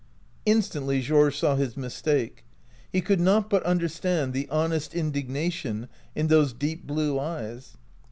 Instantly Georges saw his mistake. He could not but understand the honest indig nation in those deep blue eyes.